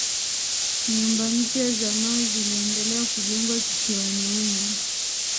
nyumba mpya za mawe ziliendelea kujengwa kisiwani humo